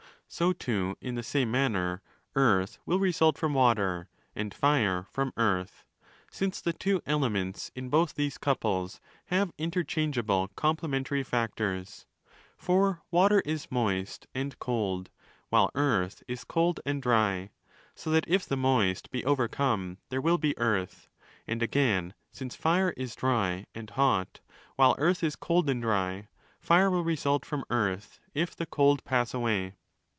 So too, in the same manner, Earth will result from Water and Fire from, Earth, since the two 'elements' in both these couples have interchangeable 'complementary factors'. For Water is moist and cold while Earth is cold and dry—so that, if the moist be over come, there will be Earth: and again, since Fire is dry and 331° 35 hot while Earth is cold and dry, Fire will result from Earth 331° if the cold pass away.